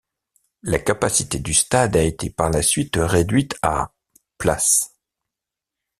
La capacité du stade a été par la suite réduite à places.